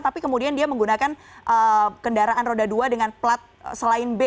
tapi kemudian dia menggunakan kendaraan roda dua dengan plat selain b